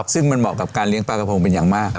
ซึ่งมันเหมาะกับการเลี้ยปลากระพงเป็นอย่างมาก